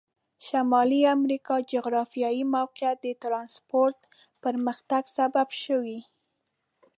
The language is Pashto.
شمالي امریکا جغرافیایي موقعیت د ترانسپورت پرمختګ سبب شوي.